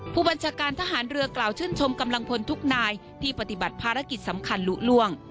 ผู้บัญชาการทหารเรือกล่าวชื่นชมกำลังพลทุกนายที่ปฏิบัติภารกิจสำคัญลุล่วง